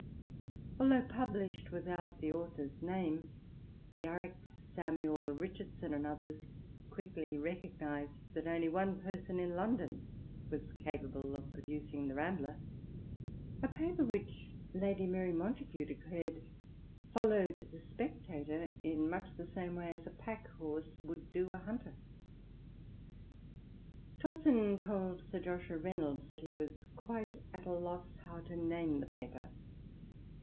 Although published without the author's name, Garrick, Samuel Richardson, and others quickly recognised that only one person in London was capable of producing the Rambler^ a paper which Lady Mary Montagu declared followed the Spectator in much the same way as *'a pack horse would do a hunter." Johnson told Sir Joshua Reynolds that he was quite at a loss how to name the paper.